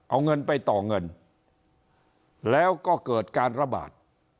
เอาเงินไปต่อเงินแล้วก็เกิดการระบาด